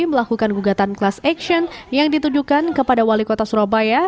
melakukan gugatan class action yang ditujukan kepada wali kota surabaya